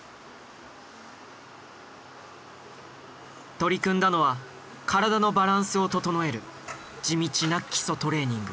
取り組んだのは体のバランスを整える地道な基礎トレーニング。